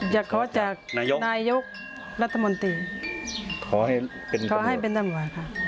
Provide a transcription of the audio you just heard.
อยากขอจากนายกรัฐมนตรีขอให้เป็นตำรวจค่ะ